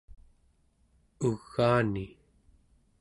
ugaani